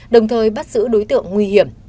đồng thời bắt giữ đối tượng nguy hiểm